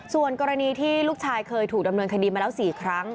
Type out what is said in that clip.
ส่วนกรณีที่ลูกชายเคยถูกดำเนินคดีมาแล้ว๔ครั้ง